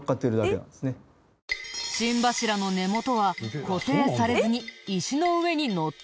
心柱の根元は固定されずに石の上にのっているだけ。